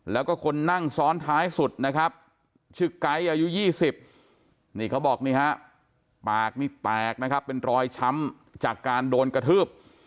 แล้วก็คนนั่งซ้อนท้ายสุดนะครับชื่อไก๊อายุ๒๐นี่เขาบอกนี่ฮะปากนี่แตกนะครับเป็นรอยช้ำจากการโดนกระทืบ